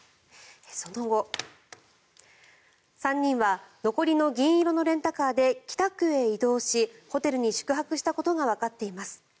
その後、３人は残りの銀色のレンタカーで北区へ移動しホテルに宿泊したことがわかっています。